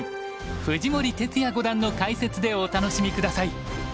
藤森哲也五段の解説でお楽しみください。